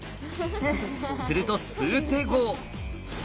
すると数手後。